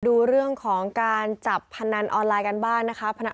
ดูเรื่องของการจับพนันออนไลน์กันบ้างนะคะ